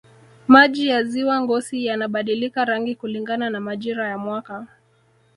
maji ya ziwa ngosi yanabadilika rangi kulingana na majira ya mwaka